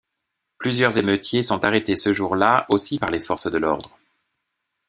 Plusieurs émeutiers sont arrêtés ce jour-là aussi par les forces de l'ordre.